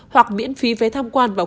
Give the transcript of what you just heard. hoặc miễn phí vé tham quan vào